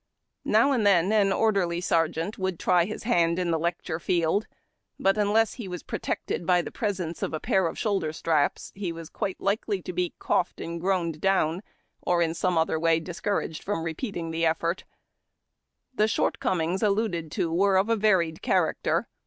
Now ;ui(l then an orderly sergeant would try his hand in the lecture field, but unless he was protected by the presence of a pair of shoulder straps he was quite likely to be coughed or groaned down, or in some other way discouraged from repeating the effort. ' The shortcomino s alluded to were of a varied character.